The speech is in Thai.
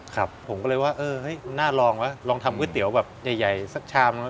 ครับผมก็เลยว่าเออเฮ้ยน่าลองวะลองทำก๋วยเตี๋ยวแบบใหญ่สักชามนึง